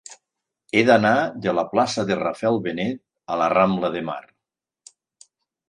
He d'anar de la plaça de Rafael Benet a la rambla de Mar.